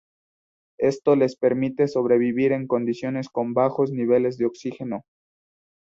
Esto les permite sobrevivir en condiciones con bajos niveles de oxígeno.